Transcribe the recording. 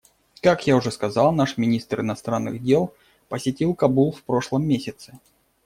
Как я уже сказал, наш министр иностранных дел посетил Кабул в прошлом месяце.